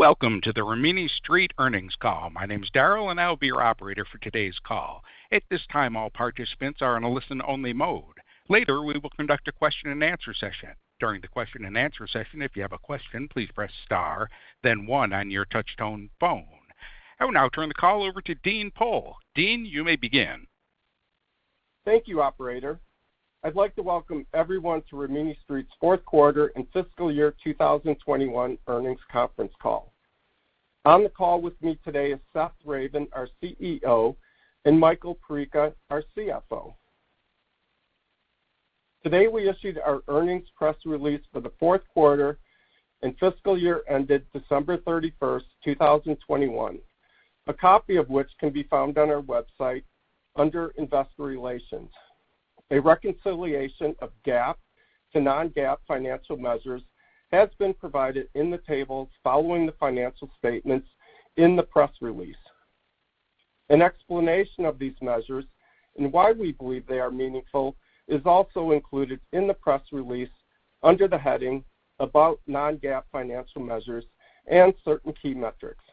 Welcome to the Rimini Street earnings call. My name is Daryl, and I'll be your operator for today's call. At this time, all participants are in a listen-only mode. Later, we will conduct a question-and-answer session. During the question-and-answer session, if you have a question, please press star then one on your touchtone phone. I will now turn the call over to Dean Pohl. Dean, you may begin. Thank you, operator. I'd like to welcome everyone to Rimini Street's fourth quarter and fiscal year 2021 earnings conference call. On the call with me today is Seth Ravin, our CEO, and Michael Perica, our CFO. Today, we issued our earnings press release for the fourth quarter and fiscal year ended December 31, 2021. A copy of which can be found on our website under Investor Relations. A reconciliation of GAAP to non-GAAP financial measures has been provided in the tables following the financial statements in the press release. An explanation of these measures and why we believe they are meaningful is also included in the press release under the heading About Non-GAAP Financial Measures and Certain Key Metrics.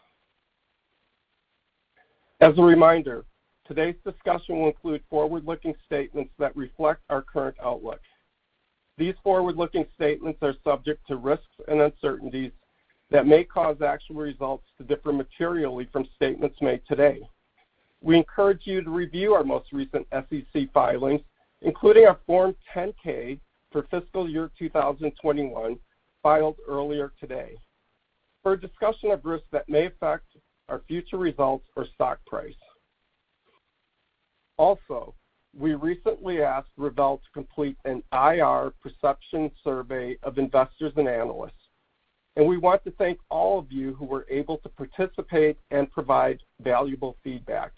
As a reminder, today's discussion will include forward-looking statements that reflect our current outlook. These forward-looking statements are subject to risks and uncertainties that may cause actual results to differ materially from statements made today. We encourage you to review our most recent SEC filings, including our Form 10-K for fiscal year 2021, filed earlier today, for a discussion of risks that may affect our future results or stock price. Also, we recently asked Rivel to complete an IR perception survey of investors and analysts, and we want to thank all of you who were able to participate and provide valuable feedback.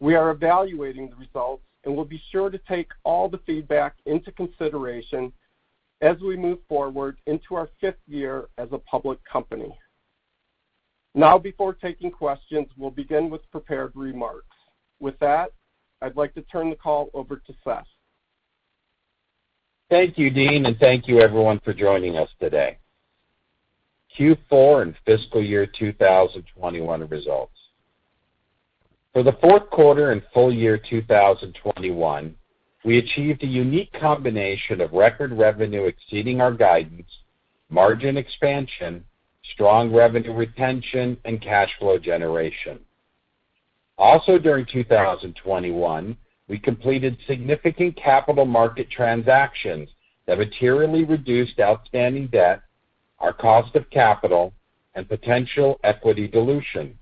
We are evaluating the results and will be sure to take all the feedback into consideration as we move forward into our fifth year as a public company. Now, before taking questions, we'll begin with prepared remarks. With that, I'd like to turn the call over to Seth. Thank you, Dean, and thank you everyone for joining us today. Q4 and fiscal year 2021 results. For the fourth quarter and full year 2021, we achieved a unique combination of record revenue exceeding our guidance, margin expansion, strong revenue retention, and cash flow generation. Also, during 2021, we completed significant capital market transactions that materially reduced outstanding debt, our cost of capital, and potential equity dilution,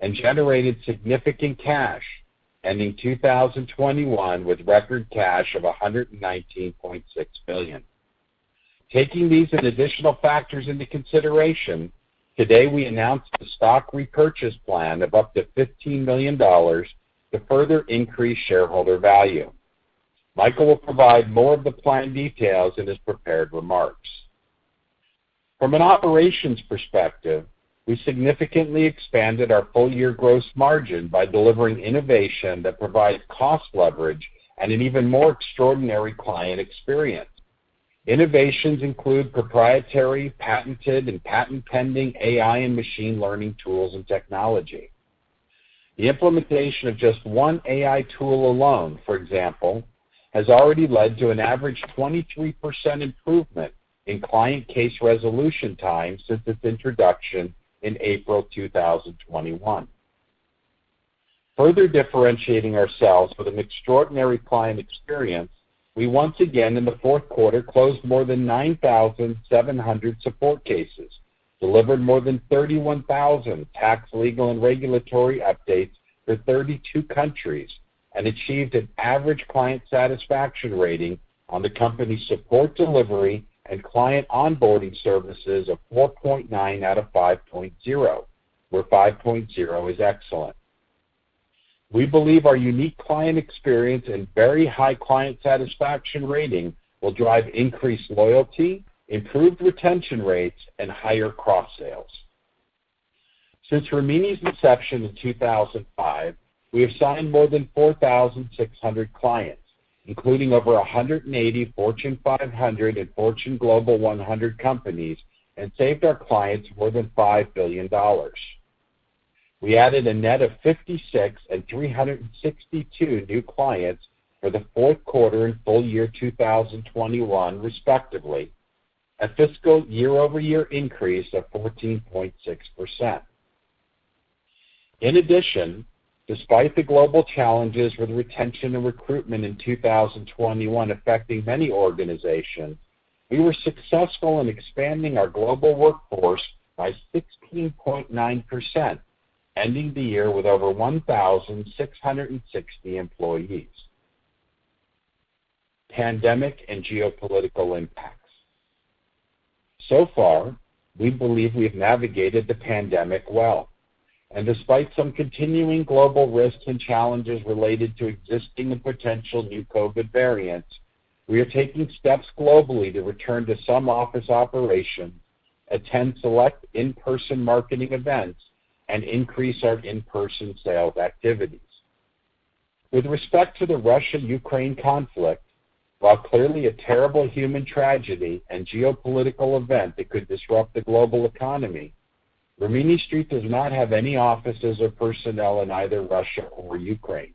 and generated significant cash, ending 2021 with record cash of $119.6 billion. Taking these and additional factors into consideration, today we announced a stock repurchase plan of up to $15 million to further increase shareholder value. Michael will provide more of the plan details in his prepared remarks. From an operations perspective, we significantly expanded our full-year gross margin by delivering innovation that provides cost leverage and an even more extraordinary client experience. Innovations include proprietary, patented, and patent-pending AI and machine learning tools and technology. The implementation of just one AI tool alone, for example, has already led to an average 23% improvement in client case resolution time since its introduction in April 2021. Further differentiating ourselves with an extraordinary client experience, we once again in the fourth quarter closed more than 9,700 support cases, delivered more than 31,000 tax, legal, and regulatory updates to 32 countries, and achieved an average client satisfaction rating on the company's support delivery and client onboarding services of 4.9 out of 5.0, where 5.0 is excellent. We believe our unique client experience and very high client satisfaction rating will drive increased loyalty, improved retention rates, and higher cross-sales. Since Rimini's inception in 2005, we have signed more than 4,600 clients, including over 180 Fortune 500 and Fortune Global 100 companies, and saved our clients more than $5 billion. We added a net of 56 and 362 new clients for the fourth quarter and full year 2021 respectively, a fiscal year-over-year increase of 14.6%. In addition, despite the global challenges with retention and recruitment in 2021 affecting many organizations, we were successful in expanding our global workforce by 16.9%, ending the year with over 1,660 employees. Pandemic and geopolitical impacts. So far, we believe we have navigated the pandemic well. Despite some continuing global risks and challenges related to existing and potential new COVID variants, we are taking steps globally to return to some office operation, attend select in-person marketing events, and increase our in-person sales activities. With respect to the Russia-Ukraine conflict, while clearly a terrible human tragedy and geopolitical event that could disrupt the global economy, Rimini Street does not have any offices or personnel in either Russia or Ukraine.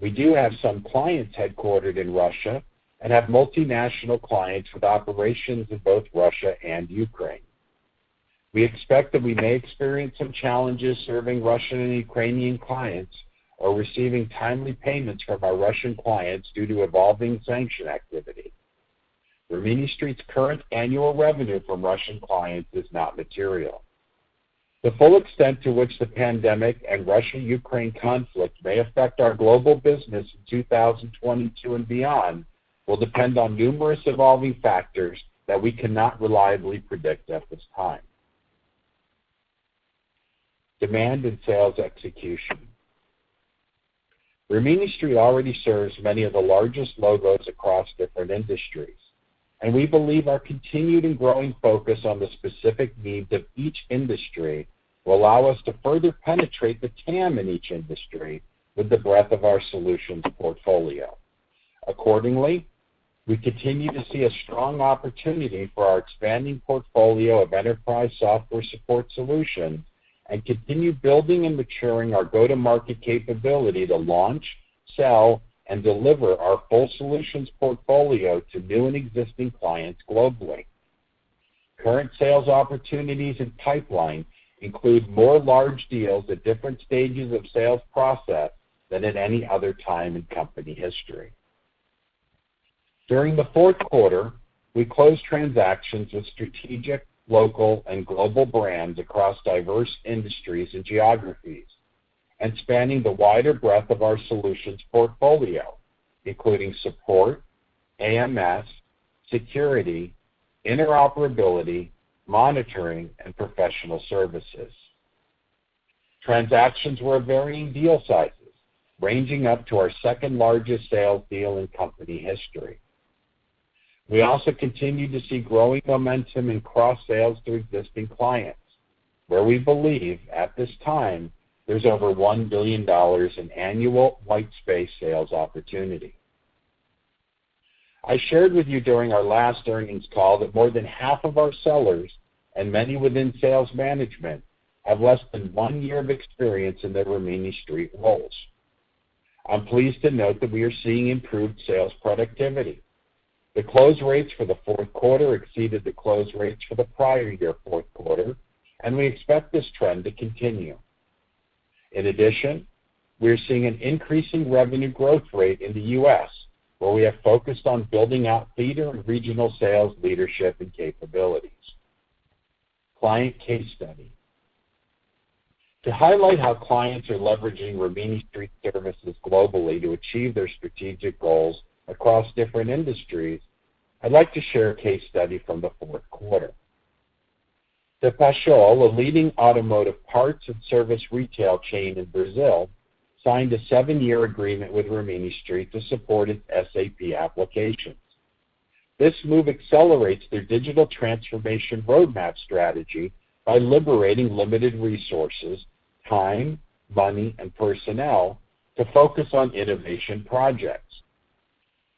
We do have some clients headquartered in Russia and have multinational clients with operations in both Russia and Ukraine. We expect that we may experience some challenges serving Russian and Ukrainian clients or receiving timely payments from our Russian clients due to evolving sanction activity. Rimini Street's current annual revenue from Russian clients is not material. The full extent to which the pandemic and Russia-Ukraine conflict may affect our global business in 2022 and beyond will depend on numerous evolving factors that we cannot reliably predict at this time. Demand and sales execution. Rimini Street already serves many of the largest logos across different industries, and we believe our continued and growing focus on the specific needs of each industry will allow us to further penetrate the TAM in each industry with the breadth of our solutions portfolio. Accordingly, we continue to see a strong opportunity for our expanding portfolio of enterprise software support solutions and continue building and maturing our go-to-market capability to launch, sell, and deliver our full solutions portfolio to new and existing clients globally. Current sales opportunities and pipeline include more large deals at different stages of sales process than at any other time in company history. During the fourth quarter, we closed transactions with strategic, local, and global brands across diverse industries and geographies, and spanning the wider breadth of our solutions portfolio, including support, AMS, security, interoperability, monitoring, and professional services. Transactions were of varying deal sizes, ranging up to our second-largest sales deal in company history. We also continue to see growing momentum in cross-sales to existing clients, where we believe, at this time, there's over $1 billion in annual whitespace sales opportunity. I shared with you during our last earnings call that more than half of our sellers, and many within sales management, have less than one year of experience in their Rimini Street roles. I'm pleased to note that we are seeing improved sales productivity. The close rates for the fourth quarter exceeded the close rates for the prior year fourth quarter, and we expect this trend to continue. In addition, we are seeing an increase in revenue growth rate in the U.S., where we have focused on building out theater and regional sales leadership and capabilities. Client case study to highlight how clients are leveraging Rimini Street services globally to achieve their strategic goals across different industries. I'd like to share a case study from the fourth quarter. DPaschoal, a leading automotive parts and service retail chain in Brazil, signed a 7-year agreement with Rimini Street to support its SAP applications. This move accelerates their digital transformation roadmap strategy by liberating limited resources, time, money, and personnel to focus on innovation projects.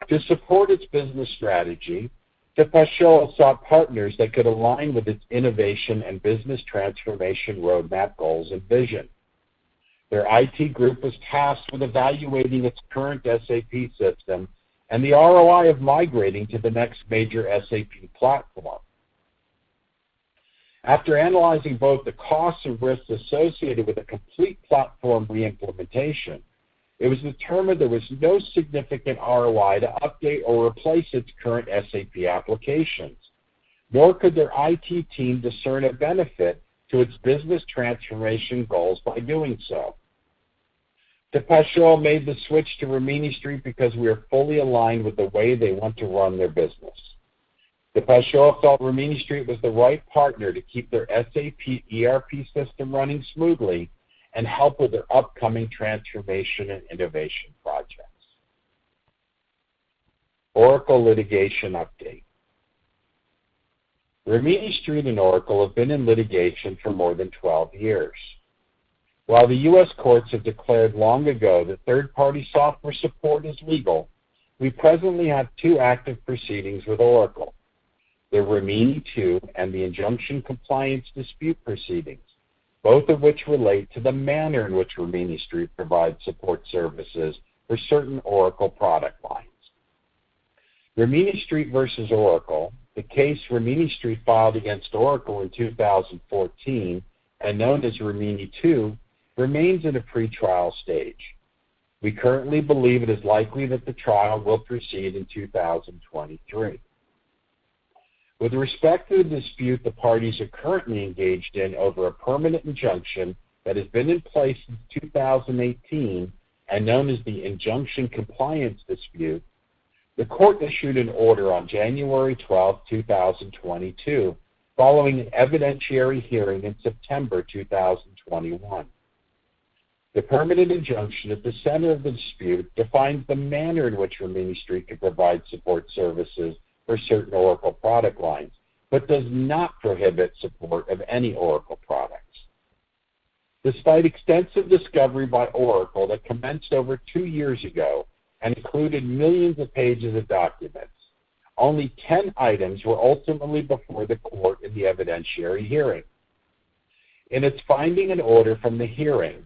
To support its business strategy, DPaschoal sought partners that could align with its innovation and business transformation roadmap goals and vision. Their IT group was tasked with evaluating its current SAP system and the ROI of migrating to the next major SAP platform. After analyzing both the costs and risks associated with a complete platform re-implementation, it was determined there was no significant ROI to update or replace its current SAP applications, nor could their IT team discern a benefit to its business transformation goals by doing so. DPaschoal made the switch to Rimini Street because we are fully aligned with the way they want to run their business. DPaschoal felt Rimini Street was the right partner to keep their SAP ERP system running smoothly and help with their upcoming transformation and innovation projects. Oracle litigation update. Rimini Street and Oracle have been in litigation for more than 12 years. While the U.S. courts have declared long ago that third-party software support is legal, we presently have two active proceedings with Oracle, the Rimini II and the injunction compliance dispute proceedings, both of which relate to the manner in which Rimini Street provides support services for certain Oracle product lines. Rimini Street versus Oracle, the case Rimini Street filed against Oracle in 2014 and known as Rimini II, remains in a pretrial stage. We currently believe it is likely that the trial will proceed in 2023. With respect to the dispute the parties are currently engaged in over a permanent injunction that has been in place since 2018 and known as the injunction compliance dispute, the court issued an order on January 12, 2022, following an evidentiary hearing in September 2021. The permanent injunction at the center of the dispute defines the manner in which Rimini Street can provide support services for certain Oracle product lines but does not prohibit support of any Oracle products. Despite extensive discovery by Oracle that commenced over 2 years ago and included millions of pages of documents, only 10 items were ultimately before the court in the evidentiary hearing. In its finding and order from the hearing,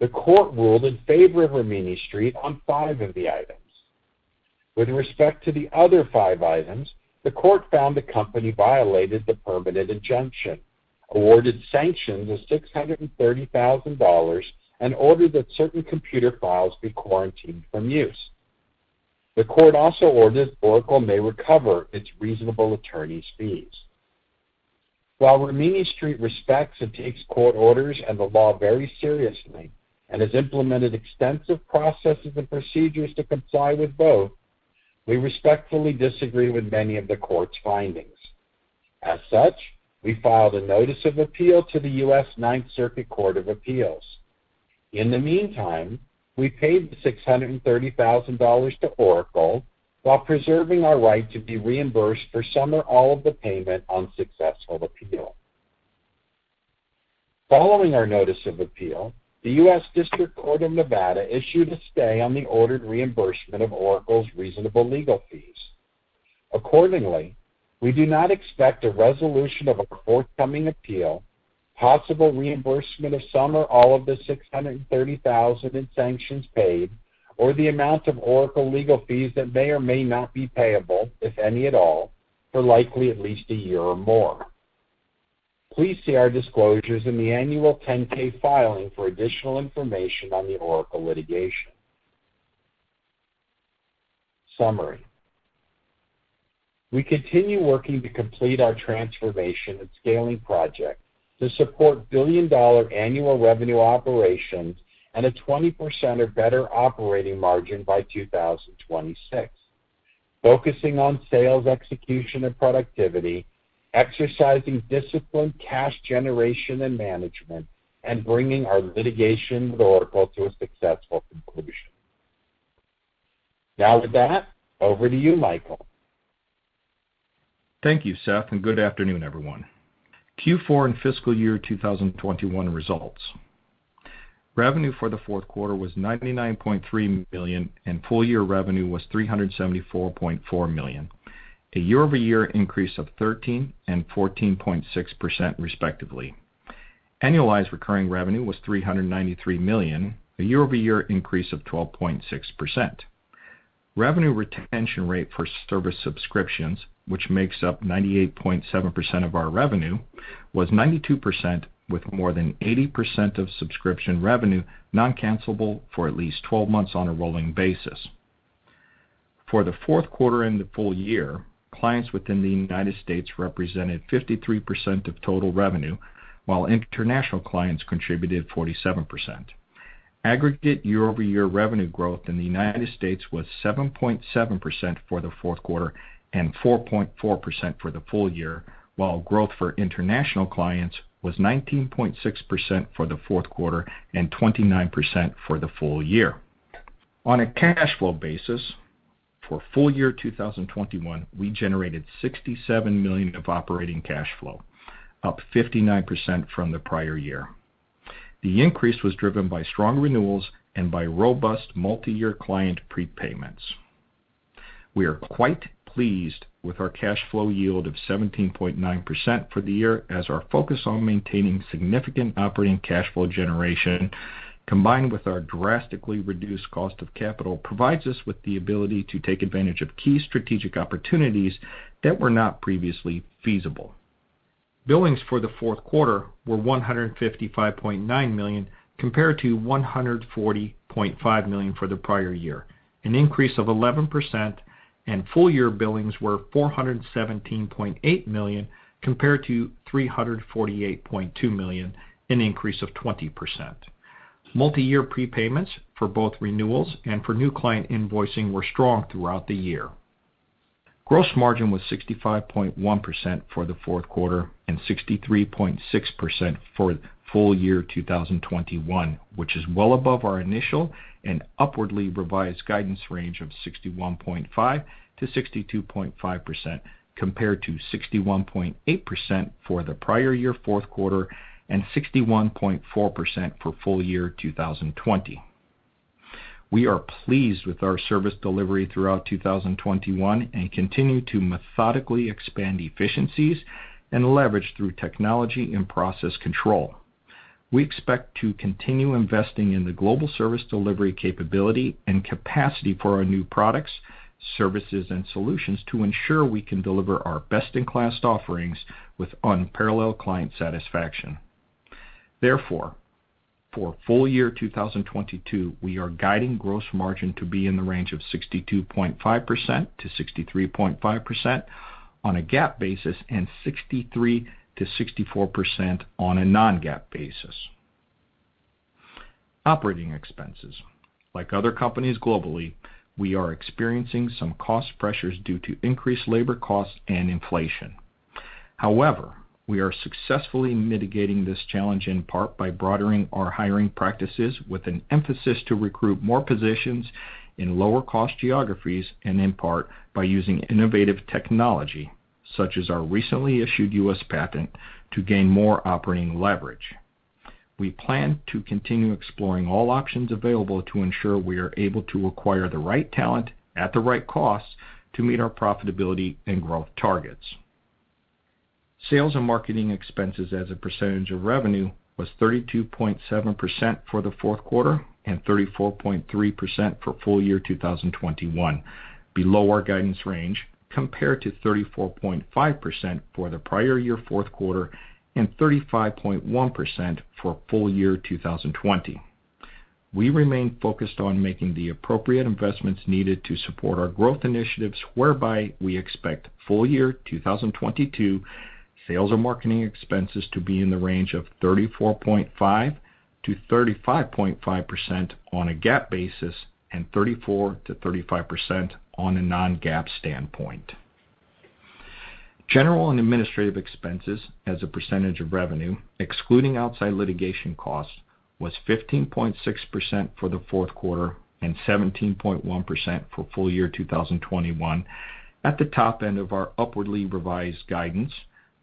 the court ruled in favor of Rimini Street on 5 of the items. With respect to the other 5 items, the court found the company violated the permanent injunction, awarded sanctions of $630,000, and ordered that certain computer files be quarantined from use. The court also ordered that Oracle may recover its reasonable attorney's fees. While Rimini Street respects and takes court orders and the law very seriously and has implemented extensive processes and procedures to comply with both, we respectfully disagree with many of the court's findings. As such, we filed a notice of appeal to the U.S. Court of Appeals for the Ninth Circuit. In the meantime, we paid $630 thousand to Oracle while preserving our right to be reimbursed for some or all of the payment on successful appeal. Following our notice of appeal, the U.S. District Court for the District of Nevada issued a stay on the ordered reimbursement of Oracle's reasonable legal fees. Accordingly, we do not expect a resolution of a forthcoming appeal, possible reimbursement of some or all of the $630,000 in sanctions paid, or the amount of Oracle legal fees that may or may not be payable, if any at all, for likely at least a year or more. Please see our disclosures in the annual 10-K filing for additional information on the Oracle litigation. Summary. We continue working to complete our transformation and scaling project to support billion-dollar annual revenue operations and a 20% or better operating margin by 2026, focusing on sales execution and productivity, exercising disciplined cash generation and management, and bringing our litigation with Oracle to a successful conclusion. Now with that, over to you, Michael. Thank you, Seth, and good afternoon, everyone. Q4 and fiscal year 2021 results. Revenue for the fourth quarter was $99.3 million, and full year revenue was $374.4 million, a year-over-year increase of 13% and 14.6%, respectively. Annualized recurring revenue was $393 million, a year-over-year increase of 12.6%. Revenue retention rate for service subscriptions, which makes up 98.7% of our revenue, was 92% with more than 80% of subscription revenue non-cancelable for at least 12 months on a rolling basis. For the fourth quarter and the full year, clients within the United States represented 53% of total revenue, while international clients contributed 47%. Aggregate year-over-year revenue growth in the United States was 7.7% for the fourth quarter and 4.4% for the full year, while growth for international clients was 19.6% for the fourth quarter and 29% for the full year. On a cash flow basis, for full year 2021, we generated $67 million of operating cash flow, up 59% from the prior year. The increase was driven by strong renewals and by robust multi-year client prepayments. We are quite pleased with our cash flow yield of 17.9% for the year as our focus on maintaining significant operating cash flow generation combined with our drastically reduced cost of capital provides us with the ability to take advantage of key strategic opportunities that were not previously feasible. Billings for the fourth quarter were $155.9 million compared to $140.5 million for the prior year, an increase of 11%, and full year billings were $417.8 million compared to $348.2 million, an increase of 20%. Multi-year prepayments for both renewals and for new client invoicing were strong throughout the year. Gross margin was 65.1% for the fourth quarter and 63.6% for full year 2021, which is well above our initial and upwardly revised guidance range of 61.5%-62.5% compared to 61.8% for the prior year fourth quarter and 61.4% for full year 2020. We are pleased with our service delivery throughout 2021 and continue to methodically expand efficiencies and leverage through technology and process control. We expect to continue investing in the global service delivery capability and capacity for our new products, services, and solutions to ensure we can deliver our best-in-class offerings with unparalleled client satisfaction. Therefore, for full year 2022, we are guiding gross margin to be in the range of 62.5%-63.5% on a GAAP basis and 63%-64% on a non-GAAP basis. Operating expenses, like other companies globally, we are experiencing some cost pressures due to increased labor costs and inflation. However, we are successfully mitigating this challenge in part by broadening our hiring practices with an emphasis to recruit more positions in lower cost geographies and in part by using innovative technology such as our recently issued U.S. patent to gain more operating leverage. We plan to continue exploring all options available to ensure we are able to acquire the right talent at the right cost to meet our profitability and growth targets. Sales and marketing expenses as a percentage of revenue was 32.7% for the fourth quarter and 34.3% for full year 2021, below our guidance range compared to 34.5% for the prior year fourth quarter and 35.1% for full year 2020. We remain focused on making the appropriate investments needed to support our growth initiatives, whereby we expect full year 2022 sales and marketing expenses to be in the range of 34.5%-35.5% on a GAAP basis and 34%-35% on a non-GAAP basis. General and administrative expenses as a percentage of revenue, excluding outside litigation costs, was 15.6% for the fourth quarter and 17.1% for full year 2021 at the top end of our upwardly revised guidance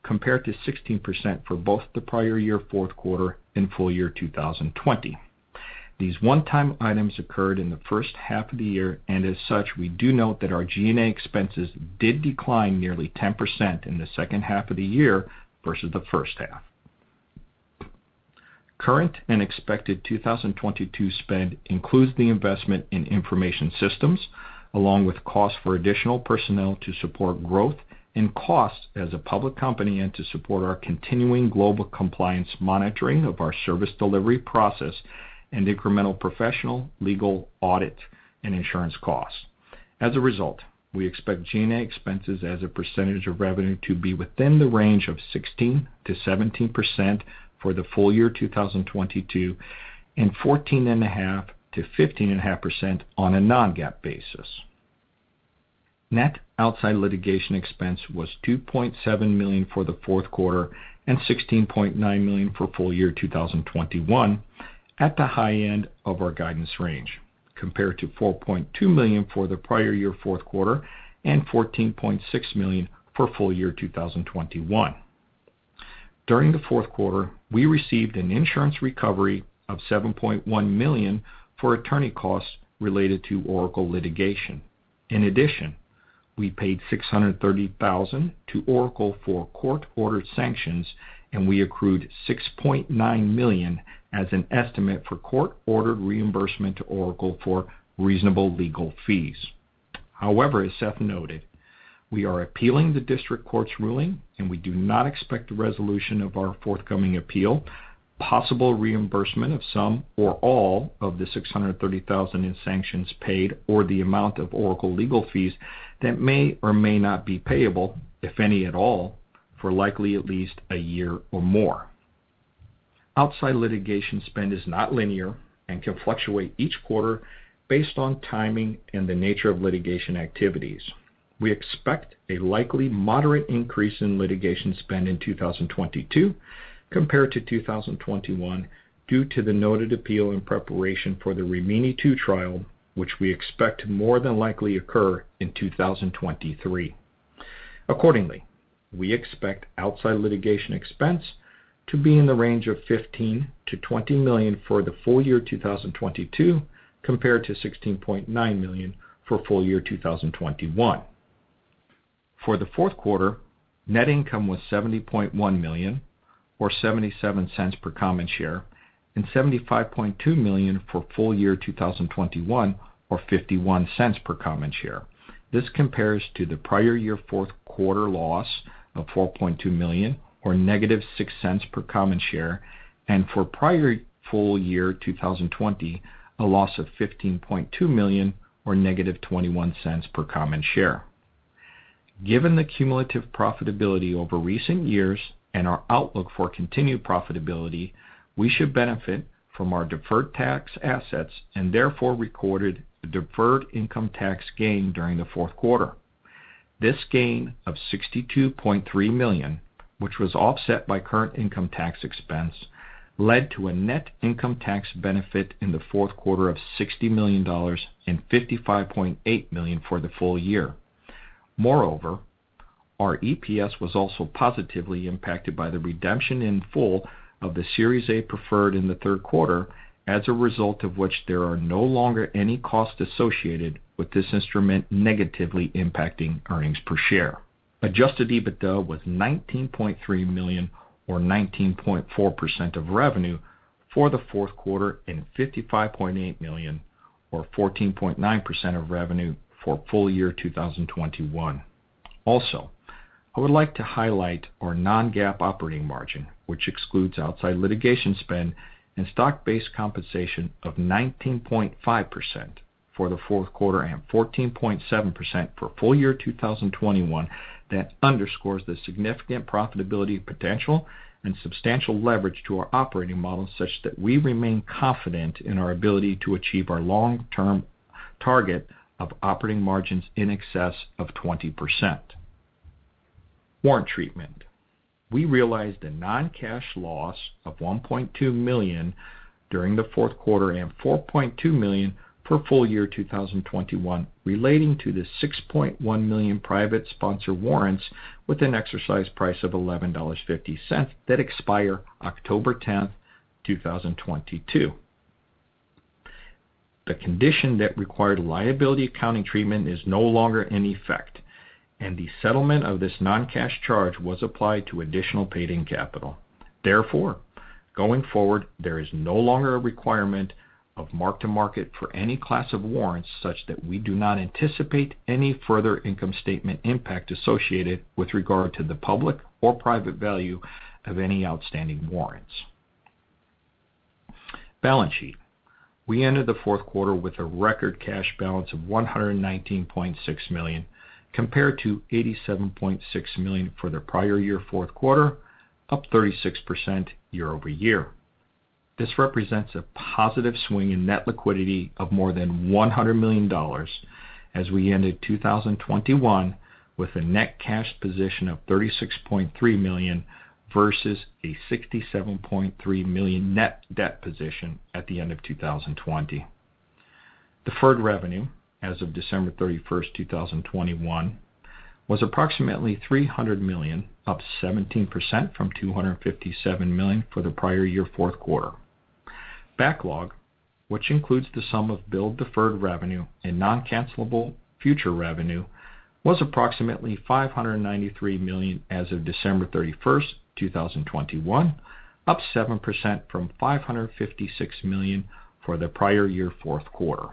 compared to 16% for both the prior year fourth quarter and full year 2020. These one-time items occurred in the first half of the year. As such, we do note that our G&A expenses did decline nearly 10% in the second half of the year versus the first half. Current and expected 2022 spend includes the investment in information systems along with costs for additional personnel to support growth and costs as a public company and to support our continuing global compliance monitoring of our service delivery process and incremental professional, legal, audit, and insurance costs. As a result, we expect G&A expenses as a percentage of revenue to be within the range of 16%-17% for the full year 2022 and 14.5%-15.5% on a non-GAAP basis. Net outside litigation expense was $2.7 million for the fourth quarter and $16.9 million for full year 2021 at the high end of our guidance range, compared to $4.2 million for the prior year fourth quarter and $14.6 million for full year 2021. During the fourth quarter, we received an insurance recovery of $7.1 million for attorney costs related to Oracle litigation. In addition, we paid $630,000 to Oracle for court-ordered sanctions, and we accrued $6.9 million as an estimate for court-ordered reimbursement to Oracle for reasonable legal fees. However, as Seth noted, we are appealing the District Court's ruling, and we do not expect a resolution of our forthcoming appeal, possible reimbursement of some or all of the $630,000 in sanctions paid or the amount of Oracle legal fees that may or may not be payable, if any at all, for likely at least a year or more. Outside litigation spend is not linear and can fluctuate each quarter based on timing and the nature of litigation activities. We expect a likely moderate increase in litigation spend in 2022 compared to 2021 due to the noted appeal in preparation for the Rimini II trial, which we expect more than likely to occur in 2023. Accordingly, we expect outside litigation expense to be in the range of $15 million-$20 million for the full year 2022 compared to $16.9 million for full year 2021. For the fourth quarter, net income was $70.1 million or $0.77 per common share and $75.2 million for full year 2021 or $0.51 per common share. This compares to the prior year fourth quarter loss of $4.2 million or negative $0.06 per common share, and for prior full year 2020, a loss of $15.2 million or negative $0.21 per common share. Given the cumulative profitability over recent years and our outlook for continued profitability, we should benefit from our deferred tax assets and therefore recorded the deferred income tax gain during the fourth quarter. This gain of $62.3 million, which was offset by current income tax expense, led to a net income tax benefit in the fourth quarter of $60 million and $55.8 million for the full year. Moreover, our EPS was also positively impacted by the redemption in full of the Series A preferred in the third quarter as a result of which there are no longer any costs associated with this instrument negatively impacting earnings per share. Adjusted EBITDA was $19.3 million or 19.4% of revenue for the fourth quarter and $55.8 million or 14.9% of revenue for full year 2021. Also, I would like to highlight our non-GAAP operating margin, which excludes outside litigation spend and stock-based compensation of 19.5% for the fourth quarter and 14.7% for full year 2021 that underscores the significant profitability potential and substantial leverage to our operating model such that we remain confident in our ability to achieve our long-term target of operating margins in excess of 20%. Warrant treatment. We realized a non-cash loss of $1.2 million during the fourth quarter and $4.2 million for full year 2021 relating to the 6.1 million private sponsor warrants with an exercise price of $11.50 that expire October 10, 2022. The condition that required liability accounting treatment is no longer in effect, and the settlement of this non-cash charge was applied to additional paid-in capital. Therefore, going forward, there is no longer a requirement of mark-to-market for any class of warrants such that we do not anticipate any further income statement impact associated with regard to the public or private value of any outstanding warrants. Balance sheet. We ended the fourth quarter with a record cash balance of $119.6 million compared to $87.6 million for the prior year fourth quarter, up 36% year-over-year. This represents a positive swing in net liquidity of more than $100 million as we ended 2021 with a net cash position of $36.3 million versus a $67.3 million net debt position at the end of 2020. Deferred revenue as of December 31, 2021 was approximately $300 million, up 17% from $257 million for the prior year fourth quarter. Backlog, which includes the sum of billed deferred revenue and non-cancelable future revenue, was approximately $593 million as of December 31, 2021, up 7% from $556 million for the prior year fourth quarter.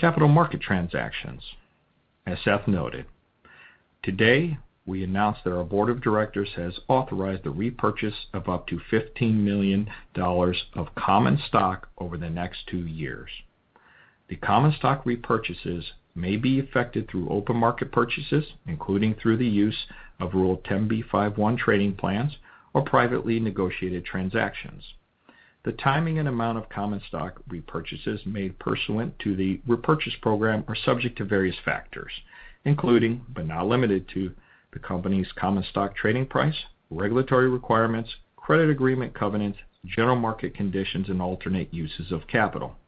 Capital market transactions. As Seth noted, today we announced that our board of directors has authorized the repurchase of up to $15 million of common stock over the next two years. The common stock repurchases may be effected through open market purchases, including through the use of Rule 10b5-1 trading plans or privately negotiated transactions. The timing and amount of common stock repurchases made pursuant to the repurchase program are subject to various factors, including, but not limited to, the company's common stock trading price, regulatory requirements, credit agreement covenants, general market conditions, and alternate uses of capital.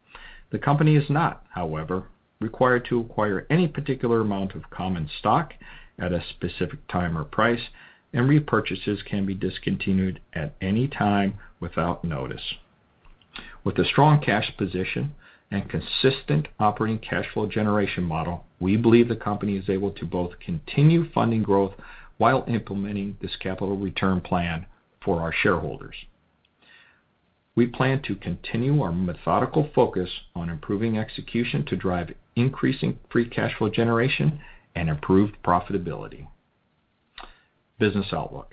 The company is not, however, required to acquire any particular amount of common stock at a specific time or price, and repurchases can be discontinued at any time without notice. With a strong cash position and consistent operating cash flow generation model, we believe the company is able to both continue funding growth while implementing this capital return plan for our shareholders. We plan to continue our methodical focus on improving execution to drive increasing free cash flow generation and improved profitability. Business outlook.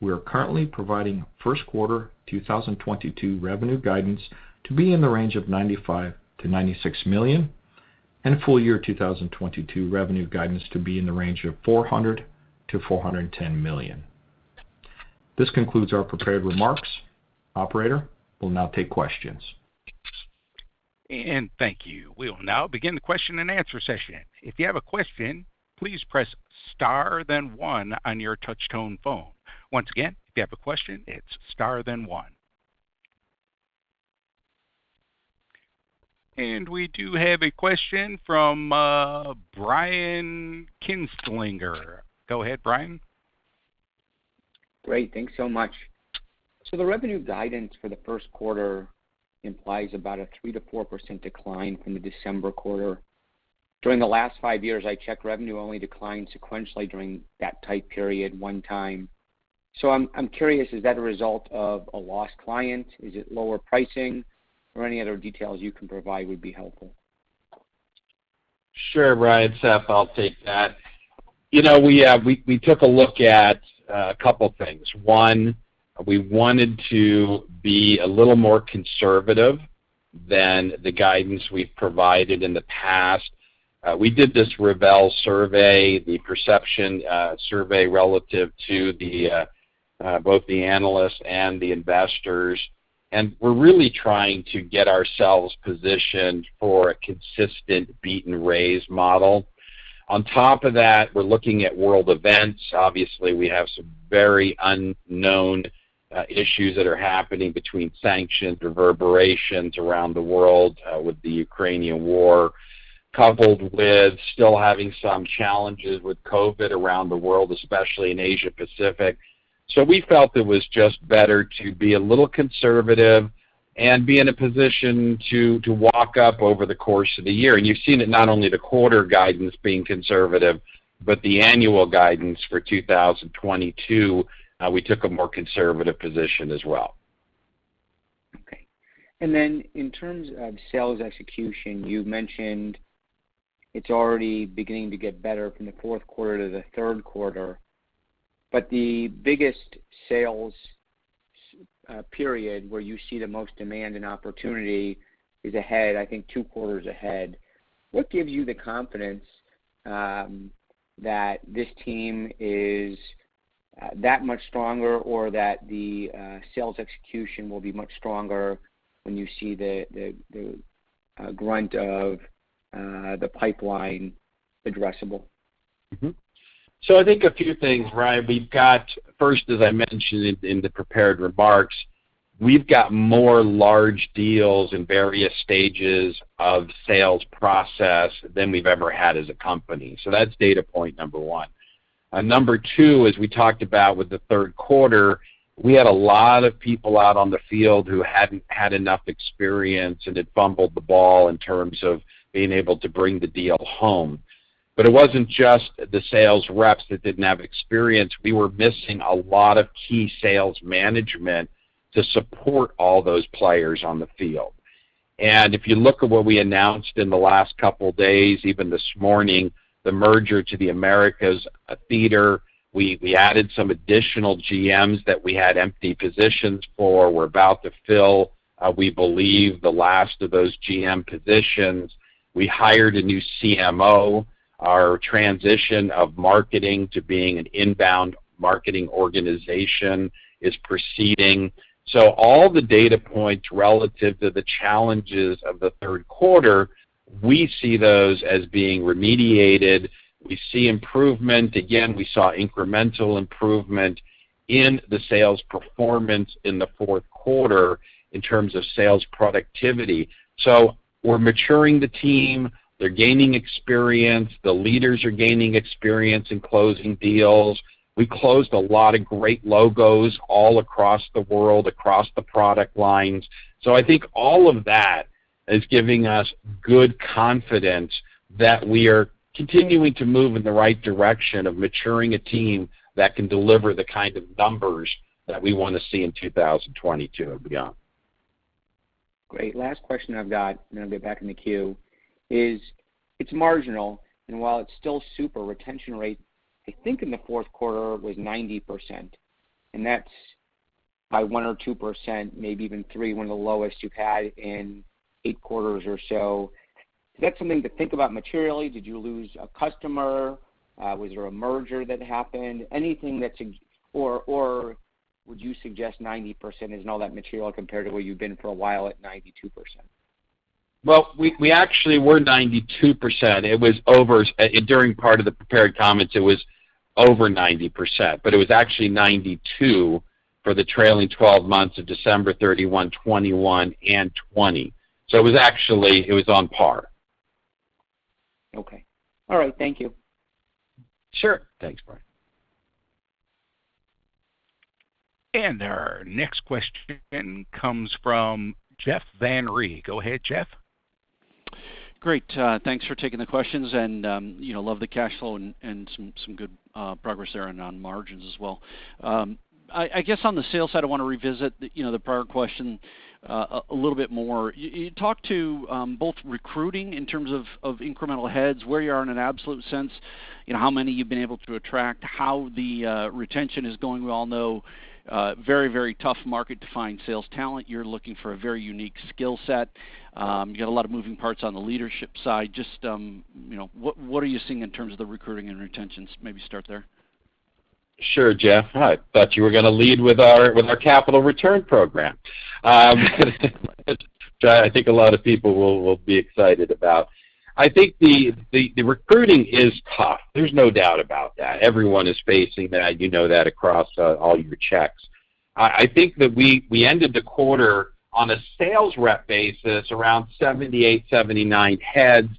We are currently providing first quarter 2022 revenue guidance to be in the range of $95 million-$96 million and full year 2022 revenue guidance to be in the range of $400 million-$410 million. This concludes our prepared remarks. Operator, we'll now take questions. Thank you. We will now begin the question and answer session. If you have a question, please press star then one on your touch tone phone. Once again, if you have a question, it's star then one. We do have a question from Brian Kinstlinger. Go ahead, Brian. Great. Thanks so much. The revenue guidance for the first quarter implies about a 3%-4% decline from the December quarter. During the last 5 years, I checked revenue only declined sequentially during that tight period 1 time. I'm curious, is that a result of a lost client? Is it lower pricing? Or any other details you can provide would be helpful. Sure, Brian. Seth, I'll take that. You know, we took a look at a couple of things. One, we wanted to be a little more conservative than the guidance we've provided in the past. We did this Rivel survey, the perception survey relative to both the analysts and the investors. We're really trying to get ourselves positioned for a consistent beat and raise model. On top of that, we're looking at world events. Obviously, we have some very unknown issues that are happening between sanctions or reverberations around the world with the Ukrainian war, coupled with still having some challenges with COVID around the world, especially in Asia-Pacific. We felt it was just better to be a little conservative and be in a position to walk up over the course of the year. You've seen it not only the quarter guidance being conservative, but the annual guidance for 2022, we took a more conservative position as well. Okay. In terms of sales execution, you mentioned it's already beginning to get better from the third quarter to the fourth quarter. The biggest sales period where you see the most demand and opportunity is ahead, I think 2 quarters ahead. What gives you the confidence that this team is that much stronger or that the sales execution will be much stronger when you see the brunt of the addressable pipeline? I think a few things, Brian. We've got first, as I mentioned in the prepared remarks, we've got more large deals in various stages of sales process than we've ever had as a company. That's data point number one. Number two, as we talked about with the third quarter, we had a lot of people out on the field who hadn't had enough experience and had fumbled the ball in terms of being able to bring the deal home. It wasn't just the sales reps that didn't have experience. We were missing a lot of key sales management to support all those players on the field. If you look at what we announced in the last couple days, even this morning, the merger to the Americas theater, we added some additional GMs that we had empty positions for. We're about to fill, we believe the last of those GM positions. We hired a new CMO. Our transition of marketing to being an inbound marketing organization is proceeding. All the data points relative to the challenges of the third quarter, we see those as being remediated. We see improvement. Again, we saw incremental improvement in the sales performance in the fourth quarter in terms of sales productivity. We're maturing the team. They're gaining experience. The leaders are gaining experience in closing deals. We closed a lot of great logos all across the world, across the product lines. I think all of that is giving us good confidence that we are continuing to move in the right direction of maturing a team that can deliver the kind of numbers that we wanna see in 2022 and beyond. Great. Last question I've got, and then I'll get back in the queue, is it's marginal, and while it's still superb retention rate, I think in the fourth quarter was 90%, and that's by 1 or 2%, maybe even 3, one of the lowest you've had in 8 quarters or so. Is that something to think about materially? Did you lose a customer? Was there a merger that happened? Anything that's, or would you suggest 90% isn't all that material compared to where you've been for a while at 92%? We actually were 92%. It was over during part of the prepared comments, it was over 90%, but it was actually 92% for the trailing twelve months of December 31, 2021, and 2020. It was actually on par. Okay. All right. Thank you. Sure. Thanks, Brian. Our next question comes from Jeff Van Rhee. Go ahead, Jeff. Great. Thanks for taking the questions and, you know, love the cash flow and some good progress there on margins as well. I guess on the sales side, I wanna revisit, you know, the prior question a little bit more. You talked to both recruiting in terms of incremental heads, where you are in an absolute sense, you know, how many you've been able to attract, how the retention is going. We all know very tough market to find sales talent. You're looking for a very unique skill set. You got a lot of moving parts on the leadership side. Just, you know, what are you seeing in terms of the recruiting and retention? Maybe start there. Sure, Jeff. I thought you were gonna lead with our capital return program, which I think a lot of people will be excited about. I think the recruiting is tough. There's no doubt about that. Everyone is facing that. You know that across all your checks. I think that we ended the quarter on a sales rep basis around 78, 79 heads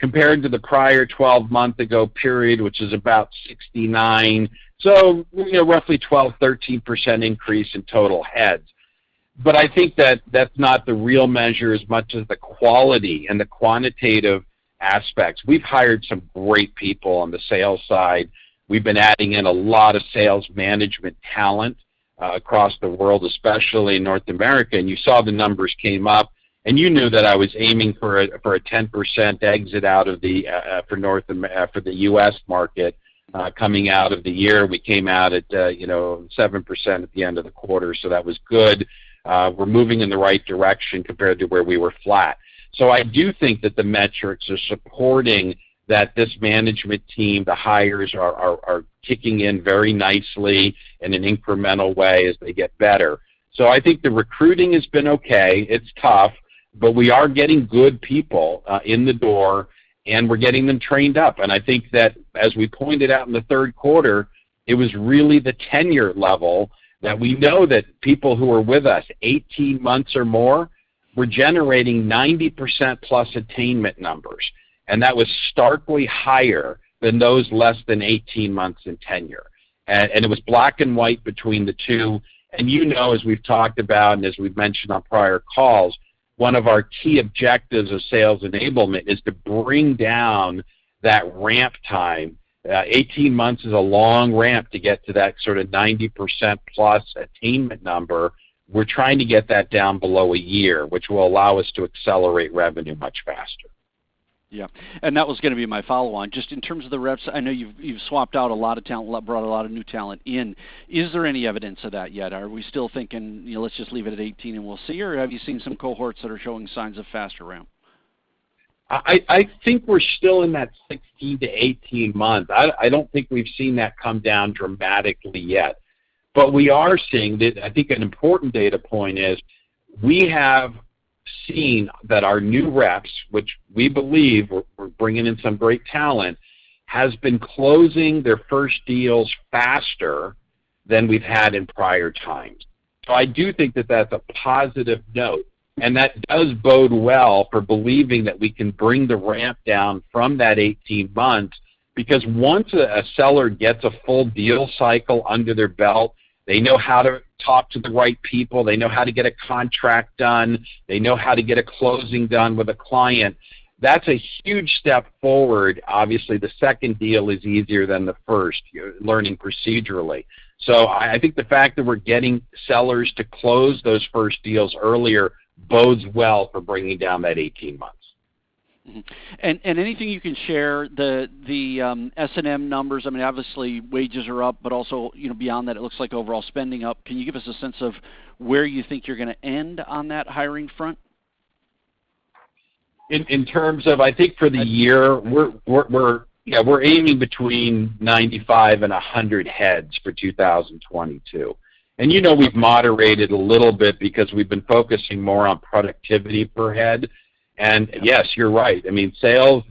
compared to the prior 12-month ago period, which is about 69. You know, roughly 12, 13% increase in total heads. I think that that's not the real measure as much as the quality and the quantitative aspects. We've hired some great people on the sales side. We've been adding in a lot of sales management talent across the world, especially in North America. You saw the numbers came up, and you knew that I was aiming for a 10% exit out of the for the U.S. market, coming out of the year. We came out at, you know, 7% at the end of the quarter, so that was good. We're moving in the right direction compared to where we were flat. I do think that the metrics are supporting that this management team, the hires are kicking in very nicely in an incremental way as they get better. I think the recruiting has been okay. It's tough, but we are getting good people in the door, and we're getting them trained up. I think that as we pointed out in the third quarter, it was really the tenure level that we know that people who are with us 18 months or more were generating 90% plus attainment numbers. That was starkly higher than those less than 18 months in tenure. It was black and white between the two. You know, as we've talked about and as we've mentioned on prior calls, one of our key objectives of sales enablement is to bring down that ramp time. 18 months is a long ramp to get to that sort of 90% plus attainment number. We're trying to get that down below a year, which will allow us to accelerate revenue much faster. Yeah. That was gonna be my follow on. Just in terms of the reps, I know you've swapped out a lot of talent, brought a lot of new talent in. Is there any evidence of that yet? Are we still thinking, you know, let's just leave it at 18 and we'll see? Or have you seen some cohorts that are showing signs of faster ramp? I think we're still in that 16-18 months. I don't think we've seen that come down dramatically yet. We are seeing. I think an important data point is we have seen that our new reps, which we believe we're bringing in some great talent, has been closing their first deals faster than we've had in prior times. I do think that that's a positive note, and that does bode well for believing that we can bring the ramp down from that 18 months because once a seller gets a full deal cycle under their belt, they know how to talk to the right people, they know how to get a contract done, they know how to get a closing done with a client. That's a huge step forward. Obviously, the second deal is easier than the first, you're learning procedurally. I think the fact that we're getting sellers to close those first deals earlier bodes well for bringing down that 18 months. Anything you can share, the S&M numbers, I mean, obviously wages are up, but also, you know, beyond that, it looks like overall spending up. Can you give us a sense of where you think you're gonna end on that hiring front? In terms of, I think for the year, we're aiming between 95 and 100 heads for 2022. You know we've moderated a little bit because we've been focusing more on productivity per head. Yes, you're right. I mean, sales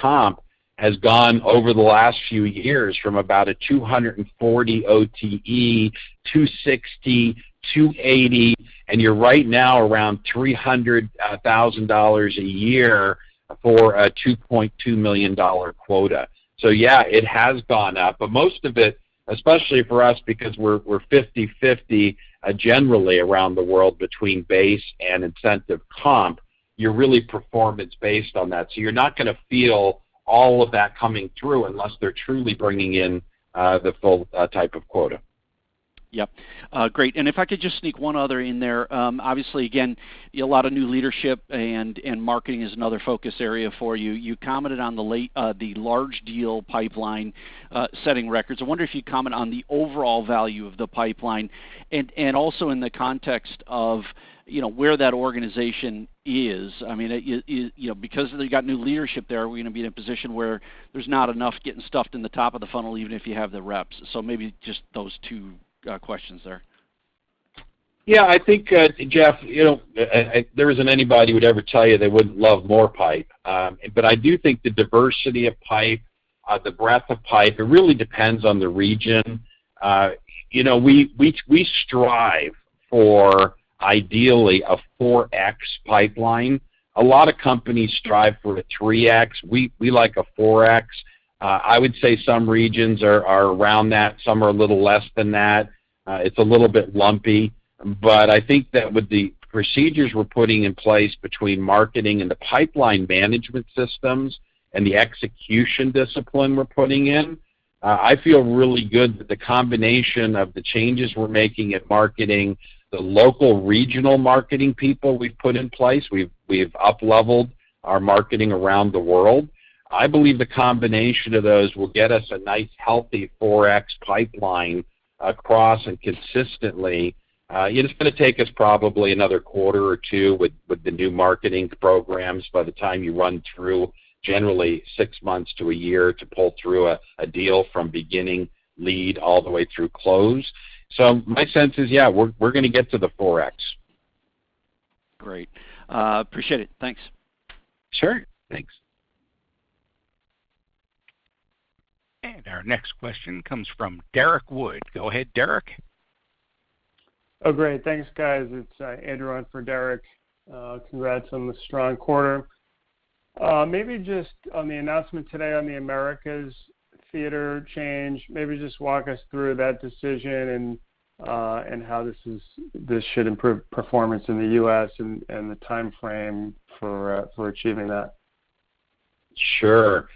comp has gone over the last few years from about a $240 OTE to 260, 280, and now around $300,000 a year for a $2.2 million quota. Yeah, it has gone up, but most of it, especially for us because we're 50/50 generally around the world between base and incentive comp, you're really performance-based on that. You're not gonna feel all of that coming through unless they're truly bringing in the full type of quota. Yep. Great. If I could just sneak one other in there. Obviously, again, you know, a lot of new leadership and marketing is another focus area for you. You commented on the large deal pipeline setting records. I wonder if you'd comment on the overall value of the pipeline, and also in the context of, you know, where that organization is. I mean, you know, because they got new leadership there, are we gonna be in a position where there's not enough getting stuffed in the top of the funnel, even if you have the reps? Maybe just those two questions there. Yeah. I think, Jeff, you know, there isn't anybody would ever tell you they wouldn't love more pipe. But I do think the diversity of pipe, the breadth of pipe, it really depends on the region. You know, we strive for ideally a 4X pipeline. A lot of companies strive for a 3X. We like a 4X. I would say some regions are around that, some are a little less than that. It's a little bit lumpy. I think that with the procedures we're putting in place between marketing and the pipeline management systems and the execution discipline we're putting in, I feel really good that the combination of the changes we're making at marketing, the local regional marketing people we've put in place, we've upleveled our marketing around the world. I believe the combination of those will get us a nice, healthy 4x pipeline across and consistently. It's gonna take us probably another quarter or two with the new marketing programs by the time you run through generally six months to a year to pull through a deal from beginning lead all the way through close. My sense is, yeah, we're gonna get to the 4x. Great. Appreciate it. Thanks. Sure. Thanks. Our next question comes from Derrick Wood. Go ahead, Derrick. Oh, great. Thanks, guys. It's Andrew on for Derrick. Congrats on the strong quarter. Maybe just on the announcement today on the Americas theater change, maybe just walk us through that decision and how this should improve performance in the U.S. and the timeframe for achieving that. Sure.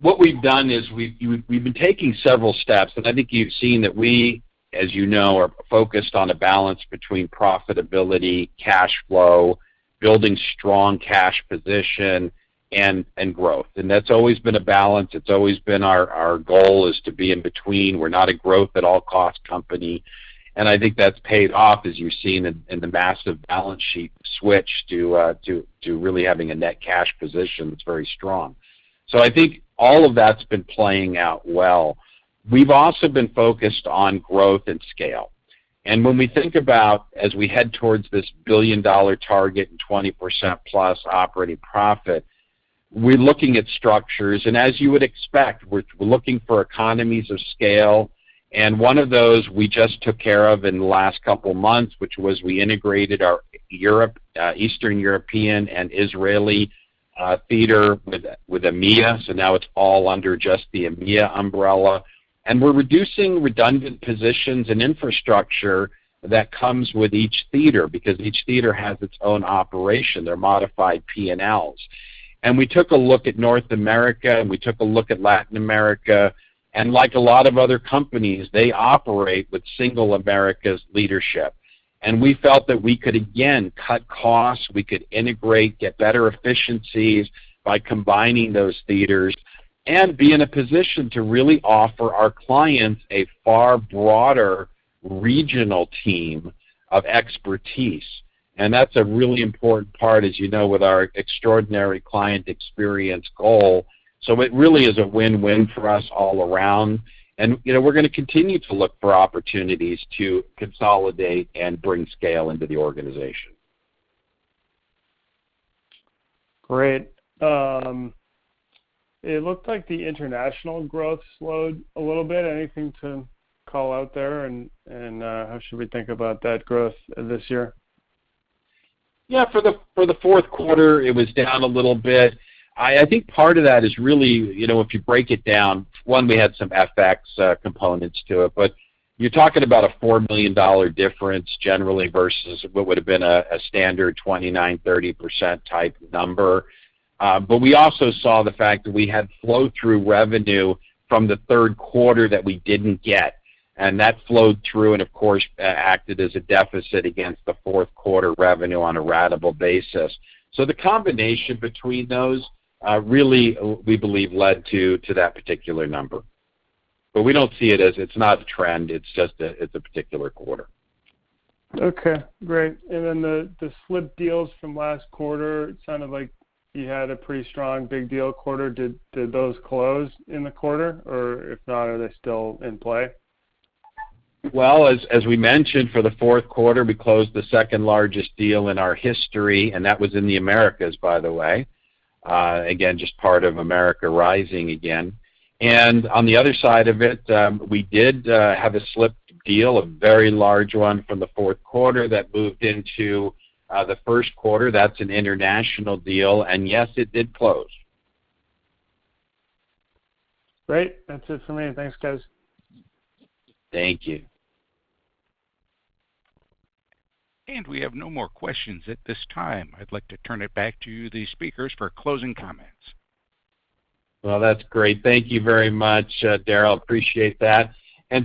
What we've done is we've been taking several steps, and I think you've seen that we, as you know, are focused on a balance between profitability, cash flow, building strong cash position, and growth. That's always been a balance. It's always been our goal is to be in between. We're not a growth at all cost company, and I think that's paid off as you've seen in the massive balance sheet switch to really having a net cash position that's very strong. I think all of that's been playing out well. We've also been focused on growth and scale. When we think about as we head towards this billion-dollar target and 20% plus operating profit, we're looking at structures. As you would expect, we're looking for economies of scale, and one of those we just took care of in the last couple months, which was we integrated our Europe, Eastern European and Israeli theater with EMEA. Now it's all under just the EMEA umbrella. We're reducing redundant positions and infrastructure that comes with each theater because each theater has its own operation. They're modified P&Ls. We took a look at North America, and we took a look at Latin America. Like a lot of other companies, they operate with single America's leadership. We felt that we could again cut costs, we could integrate, get better efficiencies by combining those theaters and be in a position to really offer our clients a far broader regional team of expertise. That's a really important part, as you know, with our extraordinary client experience goal. It really is a win-win for us all around. You know, we're gonna continue to look for opportunities to consolidate and bring scale into the organization. Great. It looked like the international growth slowed a little bit. Anything to call out there and how should we think about that growth this year? Yeah. For the fourth quarter, it was down a little bit. I think part of that is really, you know, if you break it down, one, we had some FX components to it, but you're talking about a $4 million difference generally versus what would have been a standard 29%-30% type number. We also saw the fact that we had flow-through revenue from the third quarter that we didn't get, and that flowed through and of course acted as a deficit against the fourth quarter revenue on a ratable basis. The combination between those really we believe led to that particular number. We don't see it as. It's not a trend. It's just a particular quarter. Okay, great. The slipped deals from last quarter, it sounded like you had a pretty strong big deal quarter. Did those close in the quarter? Or if not, are they still in play? Well, as we mentioned for the fourth quarter, we closed the second-largest deal in our history, and that was in the Americas, by the way. Again, just part of America Rising again. On the other side of it, we did have a slipped deal, a very large one from the fourth quarter that moved into the first quarter. That's an international deal. Yes, it did close. Great. That's it for me. Thanks, guys. Thank you. We have no more questions at this time. I'd like to turn it back to the speakers for closing comments. Well, that's great. Thank you very much, Daryl, appreciate that.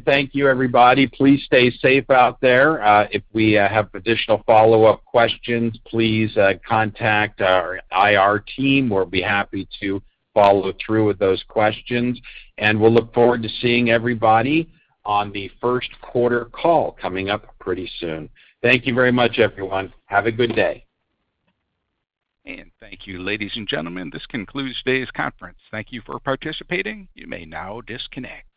Thank you, everybody. Please stay safe out there. If we have additional follow-up questions, please contact our IR team. We'll be happy to follow through with those questions, and we'll look forward to seeing everybody on the first quarter call coming up pretty soon. Thank you very much, everyone. Have a good day. Thank you, ladies and gentlemen. This concludes today's conference. Thank you for participating. You may now disconnect.